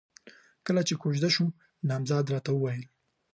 کله چې کوژده شوم، نامزد راته وويل: